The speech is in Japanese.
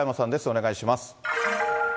お願いします。